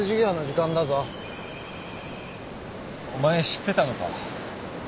お前知ってたのか？